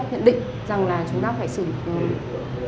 hiện định rằng là chúng ta có thể xử lý được